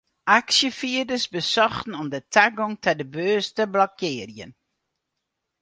Aksjefierders besochten om de tagong ta de beurs te blokkearjen.